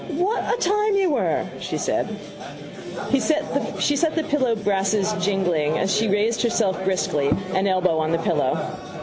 —What a time you were! she said. She set the brasses jingling as she raised herself briskly, an elbow on the pillow.